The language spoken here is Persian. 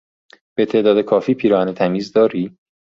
به تعداد کافی پیراهن تمیز داری؟